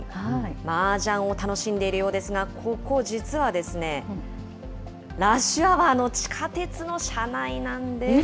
マージャンを楽しんでいるようですが、ここ、実はですね、ラッシュアワーの地下鉄の車内なんです。